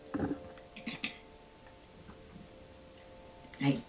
はい。